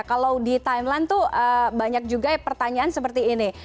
kalau di timeline tuh banyak juga pertanyaan seperti ini